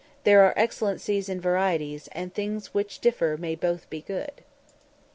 There are excellences in varieties, and things which differ may both be good."